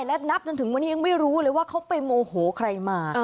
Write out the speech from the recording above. และนับจนถึงวันนี้ยังไม่รู้เลยว่าเขาไปโมโหใครมา